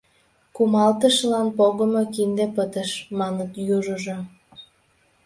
— Кумалтышлан погымо кинде пытыш!.. — маныт южыжо.